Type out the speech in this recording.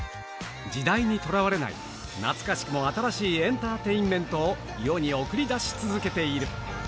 時代にとらわれない、懐かしくも新しいエンターテインメントを世に送り出し続けている。